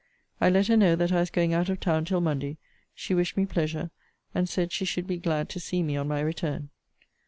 I let her know that I was going out of town till Monday: she wished me pleasure; and said she should be glad to see me on my return.